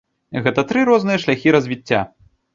Гэта тры розныя шляхі развіцця.